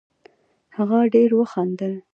هغه ډېر وخندل